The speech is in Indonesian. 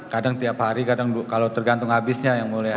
kadang tiap hari kadang kalau tergantung habisnya yang mulia